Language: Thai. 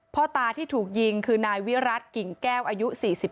พ่อตาที่ถูกยิงคือนายวิรัติกิ่งแก้วอายุ๔๓